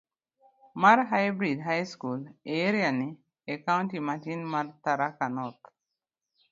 mar Hybrid High School e Iriaini, e kaunti matin mar Tharaka North.